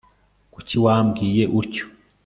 kuki wambwiye utyo